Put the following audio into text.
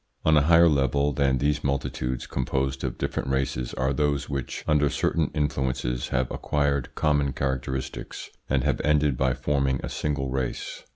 On a higher level than these multitudes composed of different races are those which under certain influences have acquired common characteristics, and have ended by forming a single race.